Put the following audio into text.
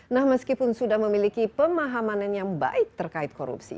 nah meskipun sudah memiliki pemahaman yang baik terkait korupsi